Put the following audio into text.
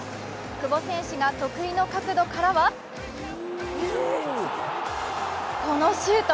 久保選手が得意の角度からはこのシュート。